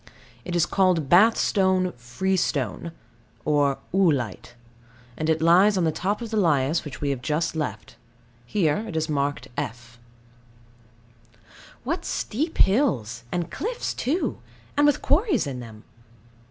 It is called Bath stone freestone, or oolite; and it lies on the top of the lias, which we have just left. Here it is marked F. What steep hills, and cliffs too, and with quarries in them!